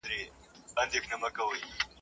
د انا اوگره ده په څکلو خلاصه سوه.